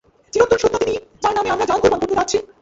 চিরন্তন সত্তা তিনিই, যার নামে আমরা জান কুরবান করতে যাচ্ছি।